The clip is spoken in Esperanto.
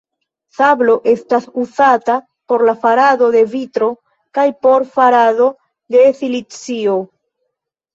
Sablo estas uzata por la farado de vitro kaj por farado de silicio.